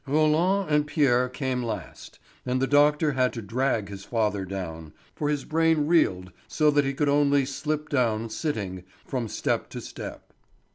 Roland and Pierre came last, and the doctor had to drag his father down, for his brain reeled so that he could only slip down sitting, from step to step.